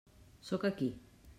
Sóc aquí.